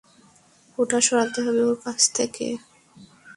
ওটা সরাতে হবে ওর কাছ থেকে।